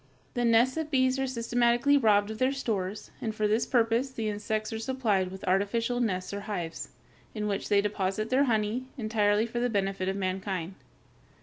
The nests of bees are systematically robbed of their stores, and for this purpose the insects are supplied with artificial nests or hives, in which they deposit their honey, entirely for the benefit of mankind.